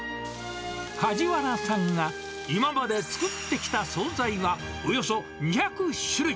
梶原さんが、今まで作ってきた総菜は、およそ２００種類。